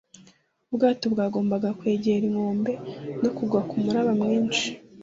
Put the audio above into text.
ubwato bwagombaga kwegera inkombe no kugwa kumuraba mwinshi